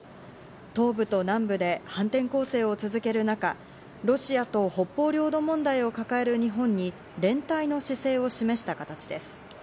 東部と南部で反転攻勢を続ける中、ロシアと北方領土問題を抱える日本に連帯の姿勢を示した形です。